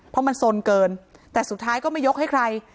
เพราะมันสนเกินแต่สุดท้ายก็ไม่ยกให้ใคร